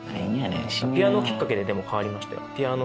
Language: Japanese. ピアノきっかけででも変わりましたよ。